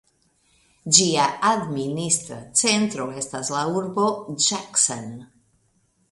Ĝia administra centro estas la urbo Jackson.